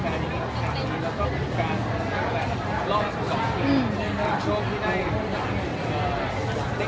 แล้วก็มีการรอบส่วนช่วงที่ได้กลับมาร้องเพลงให้คนฟังว่ามีคนสุขใจมากกว่านี้